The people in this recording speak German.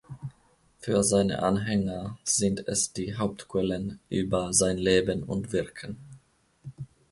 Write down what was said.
Für seine Anhänger sind es die Hauptquellen über sein Leben und Wirken.